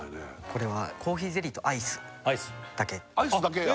これはコーヒーゼリーとアイスだけアイスだけなの？